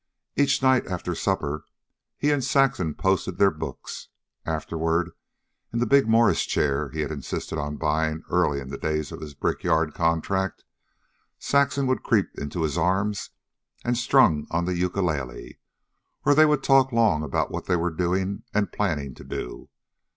Each night, after supper, he and Saxon posted their books. Afterward, in the big morris chair he had insisted on buying early in the days of his brickyard contract, Saxon would creep into his arms and strum on the ukulele; or they would talk long about what they were doing and planning to do.